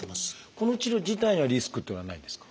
この治療自体にはリスクっていうのはないんですか？